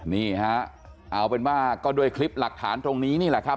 นี่ฮะเอาเป็นว่าก็ด้วยคลิปหลักฐานตรงนี้นี่แหละครับ